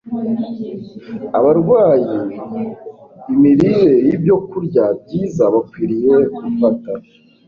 abarwayi imirire y’ibyokurya byiza bakwiriye gufata.